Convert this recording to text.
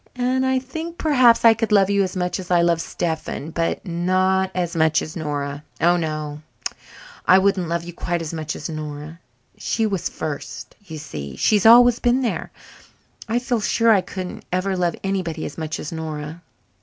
"And I think perhaps I could love you as much as I love Stephen. But not as much as Nora oh, no, I wouldn't love you quite as much as Nora. She was first, you see; she's always been there. I feel sure I couldn't ever love anybody as much as Nora."